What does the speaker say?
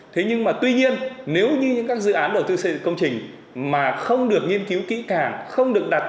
thế nhưng mà tuy nhiên nếu như những các dự án đầu tư công trình mà không được nghiên cứu kỹ cả